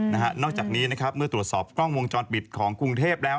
นอกจากนี้นะครับเมื่อตรวจสอบกล้องวงจรปิดของกรุงเทพแล้ว